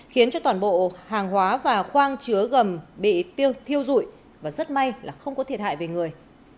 khiến cho toàn bộ hàng hóa và khoang chứa gầm bị tiêu dụi và rất may là không có thiệt hại về người